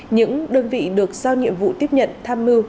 những đơn vị được giao nhiệm vụ tiếp nhận tham mưu